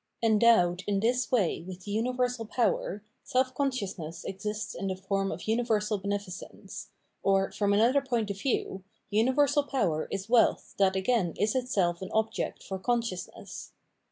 Endowed in this way with universal power, self consciousness exists in the form of universal beneficence : or, from another point of view, universal power is wealth that again is itself an object for consciousness.